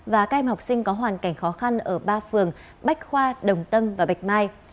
và các em học sinh có hoàn cảnh khó khăn ở ba phường bách khoa đồng tâm và bạch mai